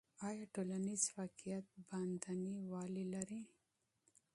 آیا ټولنیز واقعیت باندنی والی لري؟